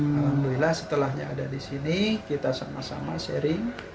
alhamdulillah setelahnya ada di sini kita sama sama sharing